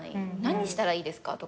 何したらいいですか？とか。